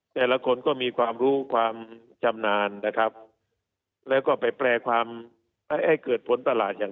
แต่ละคนก็มีความรู้ความชำนาญนะครับแล้วก็ไปแปลความให้เกิดผลตลาดอย่าง